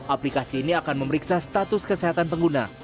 aplikasi ini akan memeriksa status kesehatan pengguna